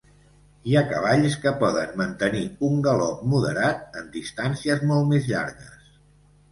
Hi ha cavalls que poden mantenir un galop moderat en distàncies molt més llargues.